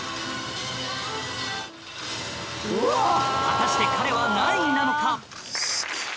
果たして彼は何位なのか？